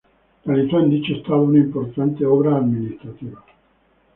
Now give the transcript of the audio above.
Realizó en dicho estado una importante obra administrativa.